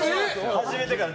始めてから。